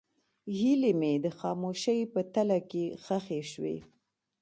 هیلې مې د خاموشۍ په تله کې ښخې شوې.